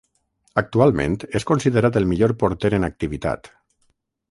Actualment és considerat el millor porter en activitat.